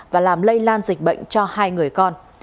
và làm lây lan dịch bệnh cho hai người con